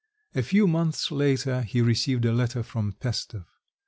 A few months later he received a letter from Pestov.